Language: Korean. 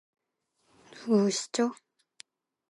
누구시죠?